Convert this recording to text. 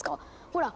ほら！